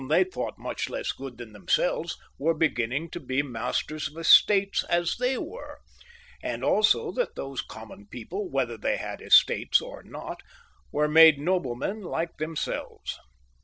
they thought much less good than themselves, were begin ning to be masters of estates as they were, and also that these common people, whether they had estates or not, were made noblemen like themselves.